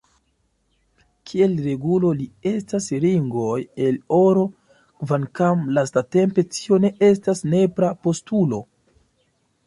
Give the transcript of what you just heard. Kiel regulo, ili estas ringoj el oro, kvankam lastatempe tio ne estas nepra postulo.